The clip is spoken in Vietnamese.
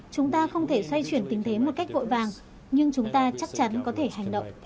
chúng ta không thể xoay chuyển tình thế một cách vội vàng nhưng chúng ta chắc chắn có thể hành động